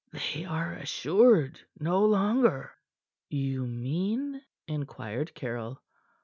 "They are assured no longer." "You mean?" inquired Caryll.